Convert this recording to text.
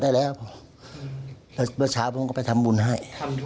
ตลอดสิบห้าตี